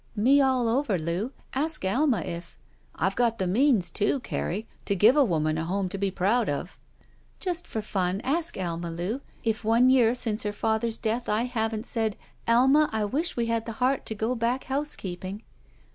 Me all over, Loo. Ask Alma if —'* I've got the means, too, Carrie, to give a woman a home to be proud of." "Just for fun, ask Alma, Loo, if one year since her father's death I haven't said, *Alma, I wish I had the heart to go back housekeeping.'